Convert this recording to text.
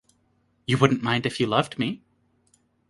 You wouldn't mind if you loved me.